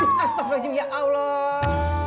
astagfirullahaladzim ya allah